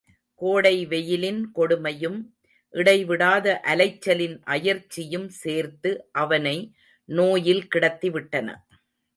கோடை வெயிலின் கொடுமையும், இடைவிடாத அலைச்சலின் அயர்ச்சியும் சேர்த்து அவனை நோயில் கிடத்திவிட்டன.